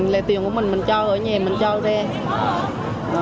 là tiền của mình mình cho ở nhà mình cho ở đây